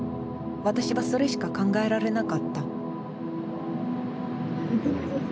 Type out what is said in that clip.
私はそれしか考えられなかった。